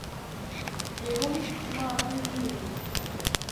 Триаголници имаат три линии.